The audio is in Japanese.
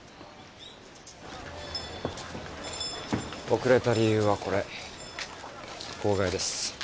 遅れた理由はこれ号外です。